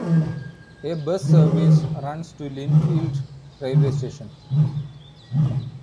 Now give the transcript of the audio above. A bus service runs to Lindfield railway station.